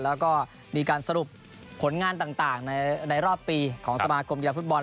แล้วก็มีการสรุปผลงานต่างในรอบปีของสมาคมกีฬาฟุตบอล